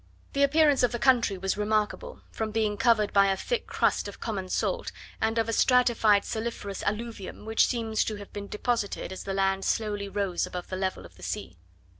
The appearance of the country was remarkable, from being covered by a thick crust of common salt, and of a stratified saliferous alluvium, which seems to have been deposited as the land slowly rose above the level of the sea.